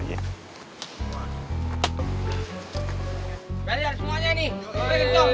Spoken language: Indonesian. balik balik semuanya ini